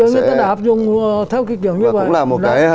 cũng là một cái